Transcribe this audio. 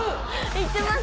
行ってます